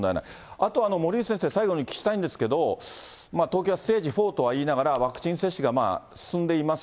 あと、森内先生、最後に聞きたいんですけど、東京はステージ４とはいいながら、ワクチン接種が進んでいます。